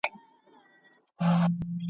نه یې ږغ سوای تر شپانه ور رسولای ,